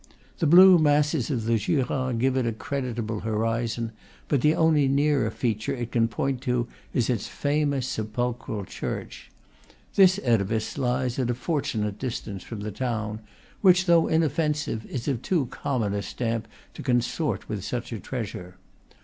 The blue masses of the Jura give it a creditable horizon, but the only nearer feature it can point to is its famous sepulchral church. This edifice lies at a fortunate distance from the town, which, though inoffensive, is of too common a stamp to consort with such a treasure.